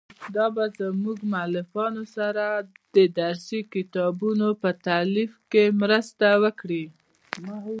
دا به زموږ له مؤلفانو سره د درسي کتابونو په تالیف کې مرسته وکړي.